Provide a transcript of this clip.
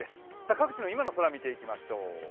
各地の今の空、見ていきましょう。